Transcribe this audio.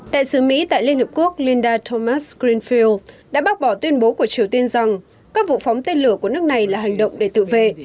đại sứ mỹ tại liên hợp quốc linda thomas greenfield đã bác bỏ tuyên bố của triều tiên rằng các vụ phóng tên lửa của nước này là hành động để tự vệ